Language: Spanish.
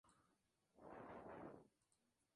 Estaba llegando cuando su visión comenzó a aclararse.